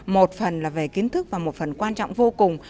một phần là về kiến thức và một phần quan trọng vô cùng